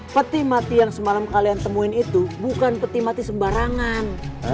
peti mati yang semalam kalian temuin itu bukan peti mati sembarangan